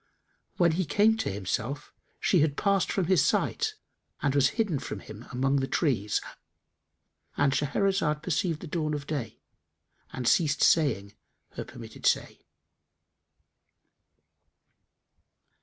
When he came to himself, she had passed from his sight and was hidden from him among the trees;——And Shahrazad perceived the dawn of day and ceased saying her permitted say.